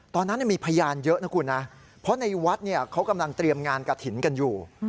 ตอนนั้นมีพยานเยอะนะคุณนะเพราะในวัดเขากำลังเตรียมงานกระถิ่นกันอยู่